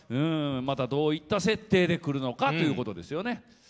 どういった設定でくるのかということですね。